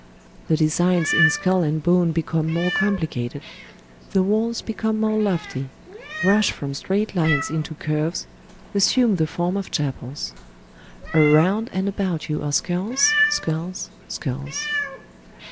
The designs in skull and bone become more complicated. The walls become more lofty, rush from straight lines into curves, assume the form of chapels. Around and about you are skulls, skulls, skulls.